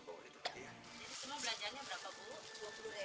obat saja sudah tidak mampu ya hai